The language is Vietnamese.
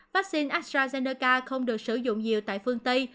vắc xin astrazeneca không được sử dụng nhiều tại phương tây